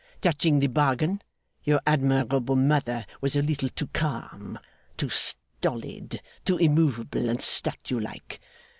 Touching the bargain, your admirable mother was a little too calm, too stolid, too immovable and statue like.